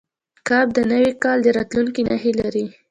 کب د نوي کال د راتګ نښې لري.